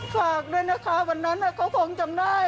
ฝากด้วยนะคะวันนั้นก็คงจำได้